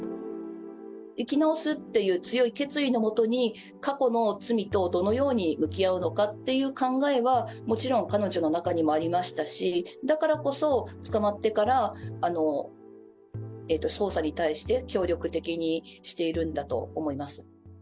生き直すっていう強い決意の下に、過去の罪とどのように向き合うのかっていう考えは、もちろん彼女の中にもありましたし、だからこそ、捕まってから捜査に対して、協力的にしているんだと思います。